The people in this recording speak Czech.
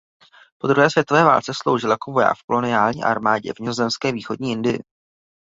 Po druhé světové válce sloužil jako voják v koloniální armádě v Nizozemské východní Indii.